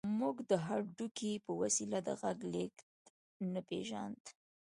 موږ د هډوکي په وسيله د غږ لېږد نه پېژاند.